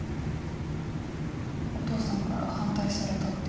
お父さんから反対されたって。